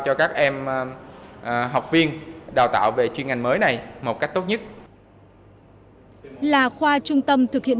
cho các em học viên đào tạo về chuyên ngành mới này một cách tốt nhất là khoa trung tâm thực hiện